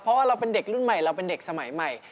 เพราะว่าเราเป็นเด็กรุ่นใหม่เราเป็นเด็กสมัยใหม่